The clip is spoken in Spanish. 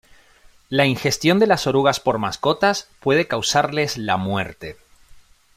La ingestión de las orugas por mascotas puede causarles la muerte.